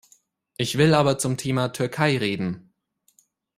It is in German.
Ich will aber zum Thema Türkei reden.